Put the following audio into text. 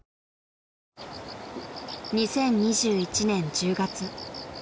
［２０２１年１０月］